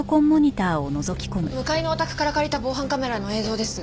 向かいのお宅から借りた防犯カメラの映像です。